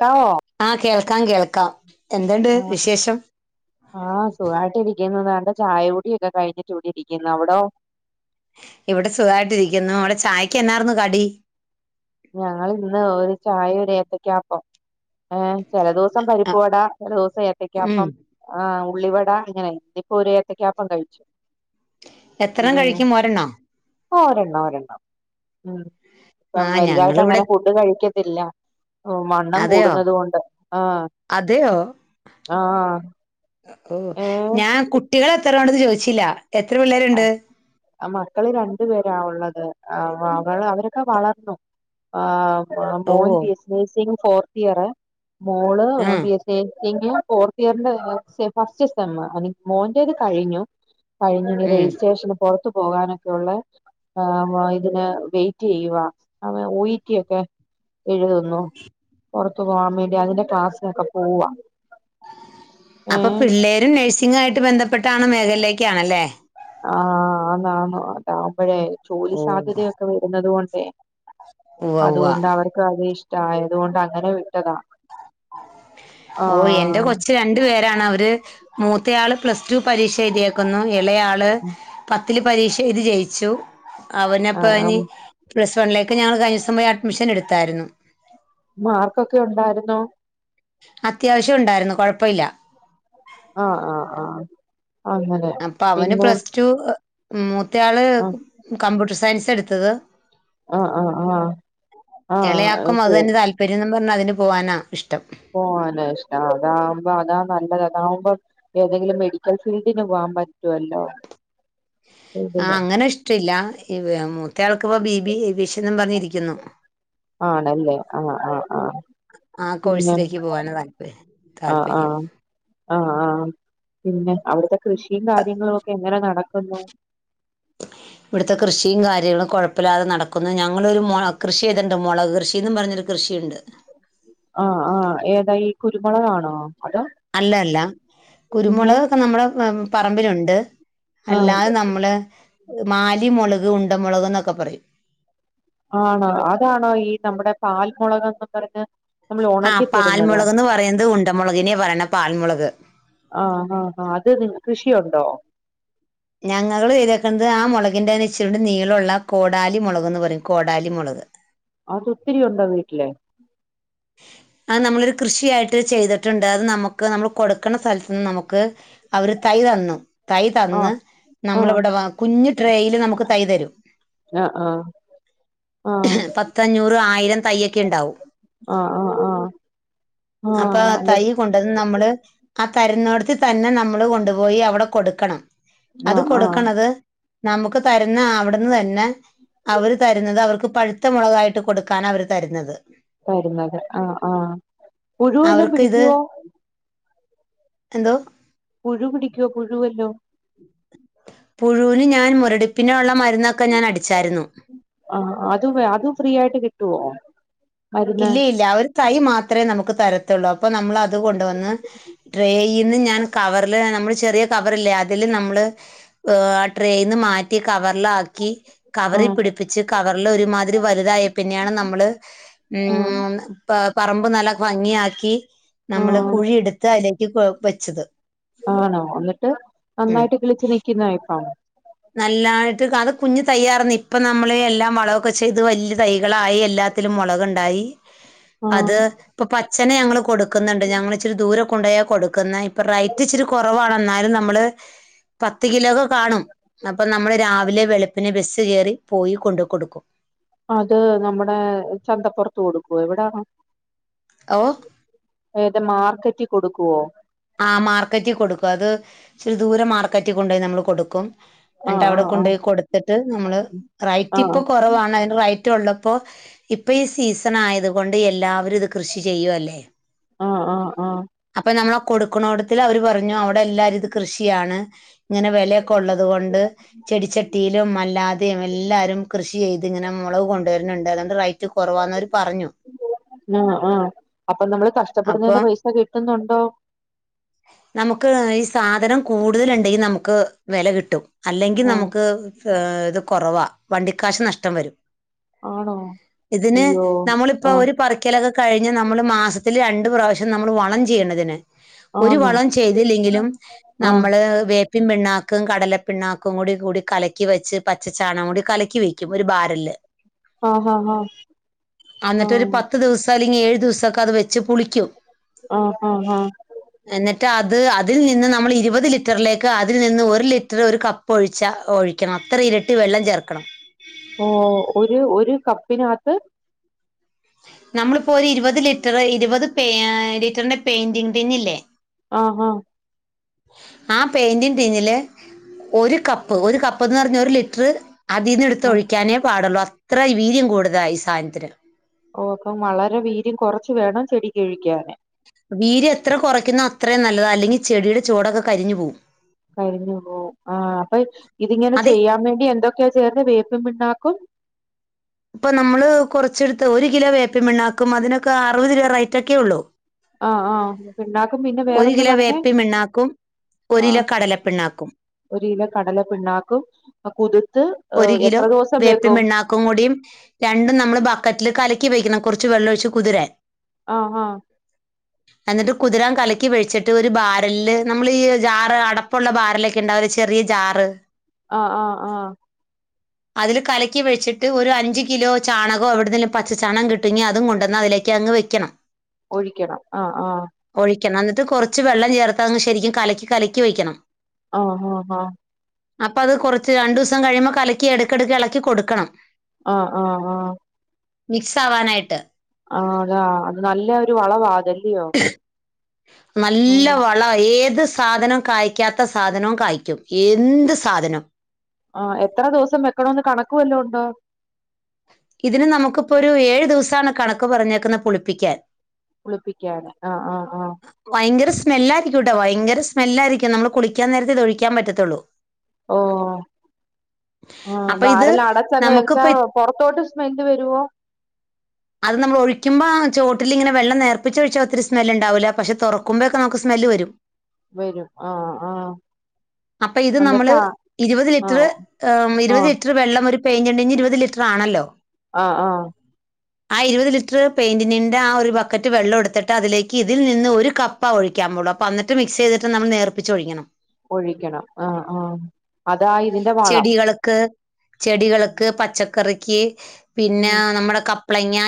കാവോ ആ കേൾക്കാം കേൾക്കാം എന്തുണ്ട് വിശേഷം ആഹ സുഖായിട്ട് ഇരിക്കുന്നുണ്ട് ചായ കുടിയൊക്കെ കഴിഞ്ഞിട്ടൂടി ഇരിക്കുന്നു അവിടോ ഇവിടെ സുഖമായിട്ടിരിക്കുന്നു അവിടെ ചായക്ക് എന്നായിരുന്നു കടി ഞങ്ങല് ഇന്ന് ഒരു ചായ ഒര് ഏത്തക്കാപ്പം ഏ ചെലദോസം ആ, പരിപ്പുവടാ ചെലദോസം ഉം ഏത്തയ്ക്കപ്പം ആ ഉള്ളിവടാ ഇങ്ങനെ ഇനിപ്പോ ഒരു ഏത്തക്കപ്പം കഴിച്ചു എത്രണം കഴിക്കും ഒരെണ്ണോ ഓ ഒരെണ്ണം ഒരെണ്ണം ഉ ഇപ്പം ആ വലുതായിട്ട് ഞങ്ങളിവിടെ അങ്ങനെ ഫുഡ് കഴിക്കത്തില്ല ഓ വണ്ണം അതെയോ കൂടുന്നത് കൊണ്ട് ആഹ അതെയോ ഏഹ് ഞാൻ കുട്ടി ട്ടികൾ എത്രണ്ടെന്ന് ചോദിച്ചില്ല എത്ര പിള്ളേരുണ്ട് മക്കള് രണ്ടു പേര ഉള്ളത് അവള് അവരൊക്കെ വളർന്നു ആ ഓ മോൻ B S C nursing fourth year മോള് ഉം ബി എസ് നേസിങ് ഫോർത്ത് ഇയറിന്റെ ഫസ്റ്റ് സെം മോൻ്റേത് കഴിഞ്ഞു കഴിഞ്ഞു ഇനി ഉം രജിസ്ട്രേഷന് പൊറത്തു പോകാനൊക്കെയുള്ള ആ ഇതിനന് വെയിറ്റെയ്യുവ അവ ഉയിറ്റിയൊക്കെ എഴുതുന്നു പൊറത്തു പോകൻ വേണ്ടി അതിന്റെ ക്ലാസ്സിലൊക്കെ പോവാ ഏ അപ്പ പിള്ളേരും നഴ്സിംഗു മായിട്ട് ബന്ധപ്പെട്ട മേഖലയിലേക്കാണല്ലേ ആഹ് ആണ് ആണ് അതാവുംബോയെ ജോലി ഓ സാധ്യതയൊക്കെ വരുന്നത് കൊണ്ടേ ഉവ്വ ഉവ്വ അതുകൊണ്ട് അവർക്ക് അതി ഇഷ്ടയതുകൊണ്ട് അങ്ങനെ വിട്ടതാ ഓ എന്റെ ആഹ് കൊച് രണ്ട് പേരാണ് അവര് മൂത്തയാൾ പ്ലസ് ടു പരീക്ഷ എഴുതിക്കുന്നു ഇളയാള് പത്ത് ത്തില് പരീക്ഷ എഴുതി ജയിച്ചു അവനപ്പ ഇനി ആഹ് പ്ലസ് വണിലേക്ക് ഞങ്ങൾ കഴിഞോസം പോയി അഡ്മിഷൻ എടുത്തായിരുന്നു മാർക്കൊക്കെ ഉണ്ടായിരുന്നോ അത്യാവശ്യം ഉണ്ടായിരുന്നു കുഴപ്പല്ല ആഹ് ആഹ് ആഹ് അങ്ങനെ അപ്പൊ അവന് പിന്നെ പ്ലസ്ട്ടു മൂത്ത ആള് ആ കമ്പ്യൂട്ടർ സയൻസ് എടുത്തത് ആഹ്ആഹ് ആഹ് ആഹ ഓക്കെ പെരുന്നും പറഞ്ഞാൽ അതിന് പോകാനാണ് ഇഷ്ടം പോവാന ഇഷ്ട അതാവുമ്പോ അതാ നല്ലത് അതാവുമ്പോ ഏതെങ്കിലും മെഡിക്കൽ ഫീൽഡിന് പോകാൻ പറ്റുവല്ലോ ആഹ് ഇതില്. അങ്ങനെ ഇഷ്ടമില്ല മൂത്തയാൾക്കി ഇപ്പ ബിബി വിഷൻ എന്നും പറഞ്ഞിരിക്കുന്നു ആണല്ലേ ആഹ് ആഹ് ആഹ് ആഹ് പിന്നെ കോഴ്സിലേക്ക് പോകാന താല്പര്യ ആഹ് താല്പര്യം ആഹ് ആഹ് ആഹ് പിന്നെ അവിടുത്തെ കൃഷിയും കാര്യങ്ങളും ഒക്കെ എങ്ങനെ നടക്കുന്നു ഇവിടുത്തെ കൃഷിയും കാര്യങ്ങളും കൊഴപ്പല്ലാതെ നടക്കുന്നു ഞങ്ങളൊരു മൊളക് കൃഷി ചെയ്തിട്ടണ്ട് മുളക് കൃഷിന്ന് പറഞ്ഞൊരു കൃഷിയിണ്ട് ആഹ്ആഹ് ഏതാ കുരുമുളക് ആണോ അതോ അല്ല അല്ല പിന്നെ കുരുമുളക് ഒക്കെ നമ്മുടെ പറമ്പിലുണ്ട് ആഹ് അല്ലാതെ നമ്മള് മാലിമുളക് ഉണ്ട മുളക് എന്നൊക്കെ പറയും ആണോ അതാണോ ഈ നമ്മുടെ പാൽമുളകന്ന് പറഞ്ഞ് നമ്മൾ ആഹ് ഉണക്കി തരുന്നത് പാൽമുളക്ന്ന് പറയുന്നത് ഉണ്ടമുളകിനേ പറയണ് പാൽമുളക് ആഹ് ആഹ് ആഹ് അത് നി കൃഷിയുണ്ടോ ഞങ്ങള് ചെയ്തേക്ക്ണത് ആ മുളകിന്റെന്ന് ഇച്ചീഠെ നീളള്ള കോടാലി മുളക്ന്ന് പറയും കോടാലി മുളക് അത് ഒത്തിരി ഉണ്ടോ വീട്ടില് അത് നമ്മളൊരു കൃഷിയായിട്ട് ചെയ്തിട്ടുണ്ട് അത് നമുക്ക് നമ്മൾ കൊടുക്കുന്ന സ്ഥലത്തു നിന്ന് നമുക്ക് അവര് തൈ തന്നു തൈ തന്ന് ആഹ് ആഹ് നമ്മളിവിടെ കുഞ്ഞ് ഡ്രയില് നമുക്ക് തൈ തരും ആഹ് ആഹ് ആഹ് പത്ത് അഞ്ഞൂറ് ആയിരം തയ്യൊക്കെ ഉണ്ടാവും ആഹ് ആഹ് ആഹ് അപ്പൊ ആഹ് അല്ല തൈ കൊണ്ടന്ന് നമ്മള് ആ തരുന്നോടത്തി തന്നെ നമ്മള് കൊണ്ടുപോയി അവിടെ കൊടുക്കണം അത് ആഹ് ആഹ് കൊടുക്കണത് നമുക്ക് തരുന്ന അവിടുന്ന് തന്നെ അവർ തരുന്നത് അവർക്ക് പഴുത്ത മുളകായിട്ട് കൊടുക്കാന അവര് തരുന്നത് തരുന്നത് ആഹ് ആഹ് പുഴുവെല്ലോം അവർക്ക് ഇത് പിടിക്കുവോ എന്തോ പുഴു പിടിക്കുവോ പുഴുവല്ലോം പുഴുവിന് ഞാൻ മുരടിപ്പിന്ള്ള മരുന്നൊക്കെ ഞാൻ അടിച്ചായിരുന്നു ആഹ് അത് അതും ഫ്രീ ആയിട്ട് കിട്ടുവോ മരുന്ന് ഇല്ല ഇല്ല ആ ഒരു തൈ മാത്രമേ നമുക്ക് തരത്തുള്ളൂ അപ്പൊ നമ്മൾ അത്കൊണ്ട് വന്ന് ഡ്രേയിന്ന് ഞാൻ കവറില് നമ്മള് ചെറിയ കവറില്ലേ അതില് നമ്മള് ആ ഡ്രയിന്ന് മാറ്റി കവറില് ആക്കി കവറി ആഹ് പിടിപ്പിച്ച് കവറില് ഒരുമാതിരി വലുതായി പിന്നെയാണ് നമ്മള് ആഹ് ഉം പ പറമ്പ് നല്ല ഭംഗി ആക്കി നമ്മള് ആഹ് കുഴി എടുത്ത് അയിലേക്ക് വെച്ചത് ആണോ എന്നിട്ട് ഉം നന്നായിട്ട് കിളിച്ച് നിക്കുന്നോ ഇപ്പം നല്ലായിട്ട് അത് കുഞ്ഞ് തയ്യായിരുന്നു ഇപ്പ നമ്മള് എല്ലാം വളമൊക്കെ ചെയ്ത് വലിയ തൈകളായി എല്ലാ ത്തിലും മുളക്ണ്ടായി ആഹ് അത് ഇപ്പൊ പച്ചനെ ഞങ്ങൾ കൊടുക്കുന്നുണ്ട് ഞങ്ങള് ഇച്ചിരി ദൂരെ കൊണ്ടോയാ കൊടുക്കുന്ന ഇപ്പ റേറ്റ് ഇച്ചിരി കുറവാണ് എന്നാലും നമ്മള് പത്ത് കിലോക്കെ കാണും അപ്പൊ നമ്മള് രാവിലെ വെളുപ്പിന് ബസ് കയറി പോയി കൊണ്ട് കൊടുക്കും അത് നമ്മടെ ചന്തപ്പൊറത്ത് കൊടുക്കോ എവിടെണോ ഓ ഏതേ മാർക്കറ്റി കൊടുക്കുവോ ആ മാർക്കറ്റി കൊടുക്കും അത് ഇച്ചിരി ദൂരം മാർക്കറ്റി കൊണ്ടുപോയി നമ്മള് കൊടുക്കും ആഹ് എന്നിട്ട് അവിടെ ആഹ് കൊണ്ടു പോയി കൊടുത്തിട്ട് നമ്മള് റൈറ്റ് ആഹ് ഇപ്പൊ കൊറവാണ് അതിന് റൈ റ്റ്ള്ളപ്പോ ഇപ്പൊ ഈ സീസൺ യത് കൊണ്ട് എല്ലാവരും ഇത് കൃഷി ചെയ്യു അല്ലേ ആഹ് ആഹ് ആഹ് അപ്പൊ നമ്മള് കൊടുക്കണോടത്തില് അവര് പറഞ്ഞു അവിടെ എല്ലാവരും ഇത് കൃഷിയാണ് ഇങ്ങനെ വിലയൊക്കെ ഉള്ളത് കൊണ്ട് ചെടിച്ചട്ടിയിലും അല്ലാതെയും എല്ലാരും കൃഷി ചെയ്ത് ഇങ്ങനെ മുളക് കൊണ്ടുവര്ണണ്ട് അതോണ്ട് റൈറ്റ് കുറവാന്നവര് പറഞ്ഞു ആഹ് ആഹ് അപ്പൊ നമ്മള് അപ്പൊ കഷ്ടപ്പെടുന്നതിന്റെ പൈസ കിട്ടുന്നുണ്ടോ നമുക്ക് ഈ സാധനം കൂടുതൽ ഉണ്ടെങ്കി നമുക്ക് വില കിട്ടും അല്ലെങ്കിൽ ആഹ് നമുക്ക് ഇത് കുറവാ വണ്ടിക്കാശ് നഷ്ടം വരും ആണോ ഇതിന് അയ്യോ നമ്മളിപ്പൊ ആഹ് ഒരു പറി ക്കലൊക്കെ കഴിഞ്ഞ് നമ്മള് മാസത്തിൽ രണ്ട് പ്രാവശ്യം നമ്മൾ വളം ചെയ്യണതിന് ഒരു ആന്നോ വളം ചെയ്തില്ലെങ്കിലും ആഹ് നമ്മള് വേ പിെ പിണ്ണാക്കും കടലപ്പ പിണ്ണാക്കും കൂടി കൂടി കലക്കി വെച്ച് പച്ചച്ചാണകം കൂടി കലക്കി വെക്കും ഒരു ബാരൽ ആഹ് ഹാ ഹാ എന്നിട്ടൊരു ആഹ് പത്ത് ദിവസം അല്ലെങ്കിൽ ഏഴു ദിവസൊക്കെ അത് വെച്ച് പുളിക്കൂ ആഹ് ആഹ് ആഹ് എന്നിട്ട് അത് അതിൽ നിന്ന് നമ്മൾ ഇരുപത് ലിറ്ററിലേക്ക് അതിൽ നിന്ന് ഒരു ലിറ്റർ ഒരു ക പൊഴിച്ചാ ഒഴിക്കണം അത്ര ഇരട്ടി വെള്ളം ചേർക്കണം ഓ ഒരു ഒരു കപ്പിനത്ത് നമ്മളിപ്പോ ഒരു ഇരുപത് ലിറ്റർ ഇരുപത് പ ലിറ്ററിന്റെ പെയിന്റിങ്ങ് ടിന്ന് ഇല്ലേ ആഹ് ആഹ് ആ പെയിന്റി ടീന്നില് ഒരു കപ്പ് ഒരു കപ്പ്ന്ന് പറഞ്ഞ ഒരു ലിറ്ററ് അതിന്ന് എടുത്ത് ഉം ഒഴിക്കാനേ പാടുള്ളൂ അത്ര വീര്യം കൂടുതല ഈ സാധനത്തിന് ഓ അപ്പം വളരെ വീര്യം കൊറച്ച് വേണം ചെടി കഴിക്കാന് വീര് എത്ര കുറയ്ക്കുന്നോ അത്രയും നല്ലതാ അല്ലെങ്കി ചെടിയുടെ ചോടൊക്കെ കരിഞ്ഞു പോവും കഴിഞ്ഞു ആ അപ്പൊ ഇതിങ്ങനെ അത് ചെയ്യാൻ വേണ്ടി എന്തൊക്കെയ ചേർന്ന് വേപ്പും പിണ്ണാക്കും ഇപ്പൊ നമ്മള് കുറച്ചെടുത്ത് ഒരു കിലോ വേപ്പിൻ പിണ്ണാക്കും അതിനൊക്കെ അറുപത് രൂപ റൈറ്റ് ഒക്കെ ഉള്ളൂ ആഹ് ആഹ് പിണ്ണാക്കു പിന്നെ ഒരു വേറെന്ത കിലോ പറഞ്ഞേ വേപ്പിൻ പിണ്ണാക്കും ഒരു ആഹ് കിലോ കടലപ്പിണ്ണാക്കും ഒരു കിലോ കടല പിണ്ണാക്കും കുതിത്ത് എത്ര ദിവസം വെക്കും ക്കും കൂടിയും രണ്ടും നമ്മള് ബക്കറ്റില് കലക്കി വെക്കണം കുറച്ച് വെള്ളം ഒഴിച്ച് കുതിര ആഹ് ആഹ് നസ്‌മിസ്‌മിഴ്ഴ്‌സ്‌ൽ എന്നിട്ട് കുതിരൻ കലക്കി വഴിച്ചിട്ട് ഒരു ബാരല്ല് നമ്മൾ ജാറ് അടപ്പുള്ള ബാരല ഒക്കെ ഉണ്ടാവ ഒരു ചെറിയ ജാറ് ആഹ് ആഹ് ആഹ് അതിൽ കലക്കി വച്ചിട്ട് ഒരു അഞ്ച് കിലോ ചാണകം എവിടുന്നന്നും പച്ചാണക കിട്ടകങ്ങ അതും കൊണ്ടുവാൽ അതിലേക്ക് അങ്ങ് വെക്കണം ന്നനമ് ഒഴിക്കണം ആഹ് ആഹ് ഒഴിക്കണം എന്നിട്ട് കുറച്ച് വെള്ളം ചേർത്ത അങ് ശരിക്കും കലക്കി കലക്കി വയ്ക്കണം ആഹ് ആഹ് ആഹ് അപ്പ അത് കുറച്ച് രണ്ടു ദിവസം കഴിയുമ്പോൾ കലക്കി എടുക്കിടുക്ക് ഇളക്കി കൊടുക്കണം ആഹ് ആഹ് ആഹ് മിക്സ് ആവാനായിട്ട് ആ അതാ അത് നല്ല ഒരു വളവാ അതല്ലിയോ നല്ല വ ളാ ഏത് സാധനം കായക്കാത്ത സാധനവും കായ്ക്കും എന്ത് സാധനം ആഹ് എത്ര ദിവസം വെക്കണന്ന് കണക്ക് വല്ലോ ഉണ്ടോ ഇതിന് നമുക്കിപ്പോ ഒരു ഏഴു ദിവസമാണ് കണക്ക് പറഞ്ഞേക്കുന്നത് പുളിപ്പിക്കാൻ പുളിപ്പിക്കാന് ആഹ് ആഹ് ആഹ് ഭയങ്കര സ്മെല്ലായിരിക്കും കേട്ടെ ഭയങ്കര സ്മെല്ലായിയിരിക്കും ട്ടൊ ഭയങ്കര സ്മെല്ലായിരിക്കും നമ്മള് കുളിക്കാൻ നേരത്തെ ഇത് ഒഴിക്കാൻ പറ്റത്തുള്ളൂ ഓ ആ അപ്പൊ ഇത് ബരെല്ലാം അടച്ചങ്ങ് വച്ചാ നമുക്കിപ്പോ ഇത് പുറത്തോട്ട് സ്മെല് വരുവോ അത് നമ്മൾ ഒഴിക്കുമ്പോ ചോട്ടിലിങ്ങനെ വെള്ളം നേർപ്പിച്ച് ഒഴിച്ചാ ഒത്തിരി സ്മെല്ണ്ടാവില്ല പക്ഷെ തുറക്കുമ്പോക്കെ നമുക്ക് സ്മെല് വരും വരും ആഹ് ആഹ് അപ്പൊ ഇത് നമ്മള് ഇരുപത് ആ ലിറ്ററ് ആ ഇരുപത് ലിറ്റർ വെള്ളം ഒരു പെയിന്റ്ണ്ടെങ്കി ഇരുപത് ലിറ്റർ റാണല്ലോ ആ ആ ആ ഇരുപത് ലിറ്റർ പെയിന്റിന്റെ ആ ഒരു ബക്കറ്റ് വെള്ളം എടുത്തിട്ട് അതിലേക്ക് ഇതിൽ നിന്ന് ഒരു കപ്പ് പ്പാ ഒഴിക്കാമൊള്ളൂ അപ്പ അന്നിട്ട് മിക്സ് ചെയ്തിട്ട് നമ്മൾ നേർപ്പിച്ച് ഒഴിക്കണം ഒഴിക്കണം ആ ആ അതാ ഇതിന്റെ വളം കൾക്ക് ചെടികൾക്ക് പച്ചക്കറിക്ക് പിന്നെ ഉം നമ്മടെ കപ് പ്ളങ്ങ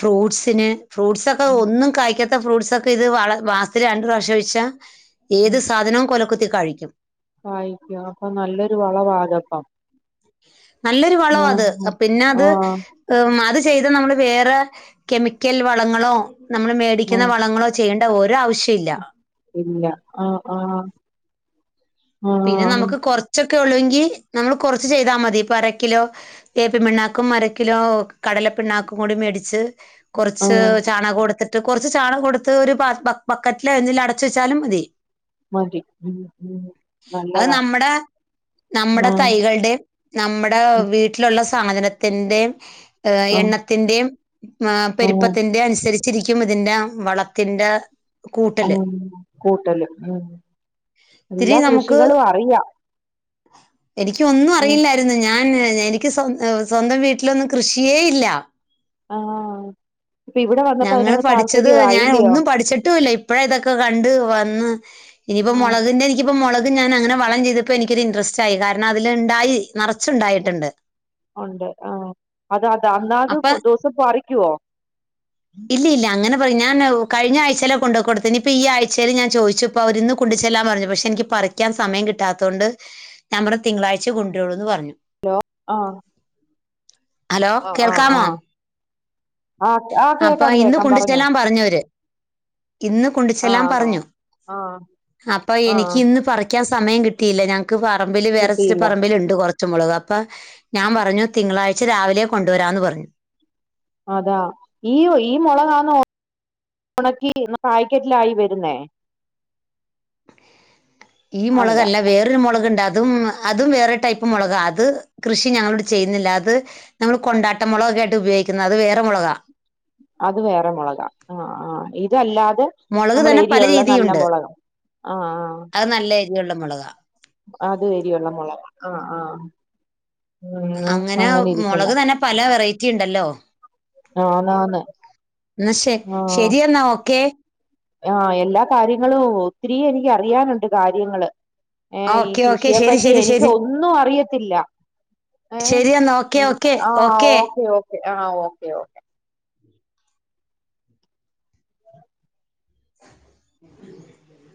ഫ്രൂട്ട്സിന് ഫ്രൂട്ട്സൊക്കെ ഉം ഒന്നും കായ്ക്ക ത്ത ഫ്രൂട്ട്സ് ഒക്കെ ഇത് വള മാസ്സത്തി രണ്ട് പ്രാവശ്യം ഒഴിച്ച ഏത് ഉം സാധനവും കൊലക്കുത്തി കായ്ക്കും കായ്ക്കും അപ്പൊ നല്ലൊരു വളവാതപ്പം നല്ലൊരു വളവാ അത് പിന്നെ അത് ആ അത് ചെയ്താ നമ്മള് വേറെ കെമിക്കൽ വളങ്ങളോ നമ്മള് ആ മേടിക്കുന്ന വളങ്ങളോ ചെയ്യേണ്ട ഓരാ ആവശ്യം ഇല്ല ഇല്ല ആഹ് ആഹ് പിന്നെ നമുക്ക് കൊറച്ചൊക്കെ ഉള്ളൂങ്കി നമ്മൾ കുറച്ച് ചെയ്താ മതി ഇപ്പൊ അരക്കിലോ വേപ്പിൻ പിണ്ണാക്കും അരക്കിലോ കടലപ്പിണ്ണാക്കും കൂടി മേടിച്ച് കുറച്ച് ആ ചാണകൊടുത്തിട്ട് കുറച്ച് ചാണകൊടുത്ത് ഒരു ബക്കറ്റില് എന്തെങ്കിലും അടച്ച് വെച്ചാലും മതി മതി ഉം ഉം അത് നല്ലതാ നമ്മടെ നമ്മടെ ആഹ് തൈകളുടെം നമ്മടെ ഉം വീട്ടിലുള്ള സാധനത്തിന്റേം ആഹ് എണ്ണത്തിന്റേം ആഹ് പെരുപ്പത്തിന്റേം അനുസരിച്ചിരിക്കും ഇതിന്റെ വളത്തിന്റെ ഉം കൂട്ടല് കൂട്ടലും മ് ഇത്തിരി എല്ലാ നമുക്ക് കൃഷികളും അറിയാം എനിക്ക് ഒന്നും ഉം അറിയില്ല ഞാൻ എനിക്ക് സ്വ സ്വന്തം വീട്ടിലൊന്നും കൃഷിയേ ഇല്ല ആഹ് ഇപ്പൊ ഇവിടെ വന്നപ്പോ ഞങ്ങള് അതിനങ്ങ് പഠിച്ചത് ഞാൻ താല്പര്യമായില്ലയോ ഒന്നും പഠിച്ചിട്ടുംല്ല ഇപ്പ ഇതൊക്കെ കണ്ട് വന്ന് ഇനിയിപ്പോ ആഹ് മുളകിന്റെ എനിക്കിപ്പോ മുളക് ഞാൻ അങ്ങനെ വളം ചെയ്തപ്പോ എനിക്കൊരു ഇന്ട്രെസ്റ്റ് ആയി കാരണം അതിൽണ്ടായി ഉം നിറച്ചുണ്ടായിട്ടുണ്ട് ഉണ്ട് ആഹ് അത് അത് അന്നാത് അപ്പൊ ദിവസം പറിക്കുവോ ഇല്ല ഇല്ല അങ്ങനെ പറയും ഞാൻ കഴിഞ്ഞ ആഴ്ചാല കൊണ്ട്പോ കൊടുത്ത ഇപ്പൊ ഈ ആഴ്ചൽ ഞൻ ചോദിച്ചു ഇപ്പൊ അവരിന്ന് കൊണ്ടു ചെല്ലാൻ പറഞ്ഞു പക്ഷെ എനിക്ക് പറിക്കാൻ സമയം കിട്ടാത്തതൊണ്ട് ഞാൻമ്മടെ തിങ്കളാഴ്ച കൊണ്ടുവള്ളൂന്ന് പറഞ്ഞു ഹലോ ആഹ് ഹലോ ആഹ് ആഹ് കേൾക്കാമോ ആഹ് ആഹ് ആഹ് അപ്പൊ കേക്കാം ഇന്ന് കേക്കാം പറഞ്ഞോ കൊണ്ടിച്ചെല്ലാം പറഞ്ഞവര് ഇന്ന് കൊണ്ടിച്ചെല്ലാം ആന്നോ പറഞ്ഞു ആഹ് അപ്പൊ ആഹ് എനിക്ക് ഇന്ന് പറ കിക്കാൻ സമയം കിട്ടിയില്ല ഞങ്ങക്ക് പറമ്പിൽ വേറെ ചില കിട്ടിയില്ല പറമ്പിൽുണ്ട് കുറച്ച മുളക് അപ്പൊ ഞാൻ പറഞ്ഞു തിങ്കളാഴ്ച രാവിലെ കൊണ്ടുവരാന്ന് പറഞ്ഞു അതാ ഈ ഈ മുളകന്ന് ഉണക്കി കായ്ക്കറ്റിലായി വരുന്നേ ഈ അല്ല മുളകല്ല വേറൊരു മുളകുണ്ട് അതും അതും വേറൊ ടൈപ്പ് മുളക് അത് കൃഷി ഞങ്ങളോട് ചെയ്യുന്നില്ല അത് നമ്മൾ കൊണ്ടാട്ട മുളകൊക്ക ആയിട്ട് ഉപയോഗിക്കുന്നത് അത് വേറെ മുളകാ അത് വേറെ മുളക ആഹ് ആഹ് ഇതല്ലാതെ മുളക് നമ്മൾ തന്നെ പല എരിയള്ള നല്ല രീതിയുണ്ട് മുളകം ആഹ് അത് നല്ല വെള്ളമളക അത് വരിയുള്ള മുളക് ആഹ് ആഹ് ഉം അങ്ങനെ ഇരിക്കുന്നു മുളക് തന്നെ പല വെറൈറ്റി ഉണ്ടല്ലോ ആന്ന് ആന്ന് എന്ന ശെ ആഹ് ശരിയെന്നാ ഓക്കെ ആഹ് എല്ലാ കാര്യങ്ങളും ഒത്തിരി എനിക്ക് അറിയാനുണ്ട് കാര്യങ്ങള് ഏർ ഈ ഓക്കെ ഓക്കെ കൃഷിയെ ശരി പറ്റി ശരി എനിക്ക് ശരി ഒന്നും അറിയത്തില്ല ഏഹ് ശരി എന്നാ ഓക്കെ ഓക്കെ ആഹ് ഓക്കെ ഓക്കേ ആഹ് ഓക്കേ ഓക്കേ ഉം